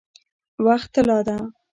وخت طلا ده؟